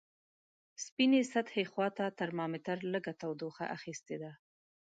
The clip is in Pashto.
سپینې سطحې خواته ترمامتر لږه تودوخه اخستې ده.